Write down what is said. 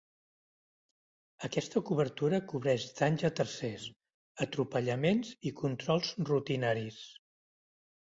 Aquesta cobertura cobreix danys a tercers, atropellaments i controls rutinaris.